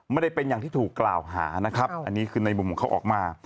ไม่ได้เป็นอย่างที่ถูกกล่าวหานะครับอันนี้คือในมุมของเขาออกมา